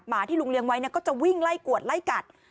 ที่ลุงเลี้ยงไว้ก็จะวิ่งไล่กวดไล่กัด